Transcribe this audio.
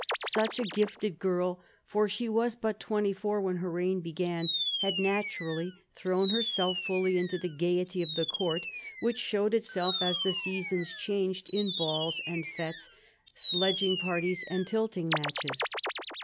Such a gifted girl, for she was but twenty four when her reign began, had naturally thrown herself fully into the gaiety of the court, which showed itself, as the seasons changed, in balls and tetes, sledging parties and tilting matches.